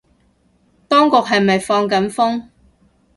當局係咪放緊風